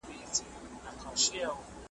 غرڅه لیري ځغلېدی تر ده د وړاندي `